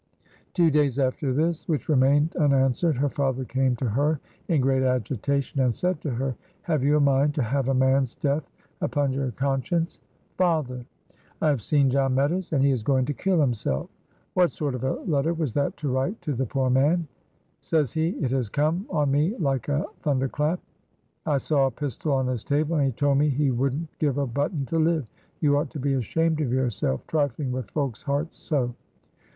Two days after this, which remained unanswered, her father came to her in great agitation and said to her: "Have you a mind to have a man's death upon your conscience?" "Father!" "I have seen John Meadows, and he is going to kill himself. What sort of a letter was that to write to the poor man? Says he, 'It has come on me like a thunder clap.' I saw a pistol on his table, and he told me he wouldn't give a button to live. You ought to be ashamed of yourself trifling with folks' hearts so."